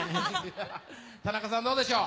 田中さん、どうでしょう。